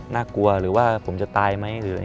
น่ากลัวหรือว่าผมจะตายไหม